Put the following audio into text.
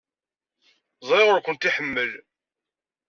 Ẓriɣ ur kent-iḥemmel.